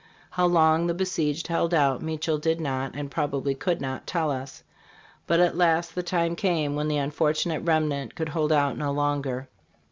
How long the besieged held out Meachelle did not, and probably could not, tell us; but at last the time came when the unfortunate remnant could hold out no longer.